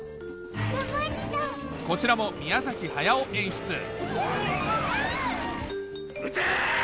こちらも宮崎駿演出撃て！